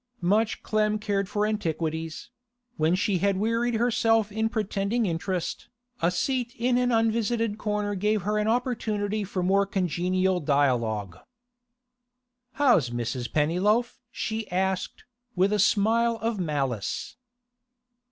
Much Clem cared for antiquities; when she had wearied herself in pretending interest, a seat in an unvisited corner gave her an opportunity for more congenial dialogue. 'How's Mrs. Pennyloaf?' she asked, with a smile of malice.